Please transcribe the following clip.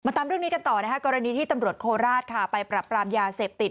ตามเรื่องนี้กันต่อนะคะกรณีที่ตำรวจโคราชค่ะไปปรับปรามยาเสพติด